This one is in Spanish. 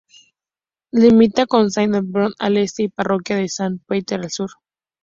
Limita con Saint Andrew al este, y Parroquia de Saint Peter al sur.